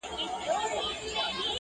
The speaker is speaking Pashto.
o غلیم وایي پښتون پرېږدی چي بیده وي,